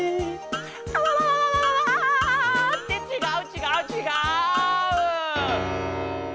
「あわわわ」。ってちがうちがうちがう！